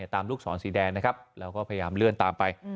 ลูกศรสีแดงนะครับแล้วก็พยายามเลื่อนตามไป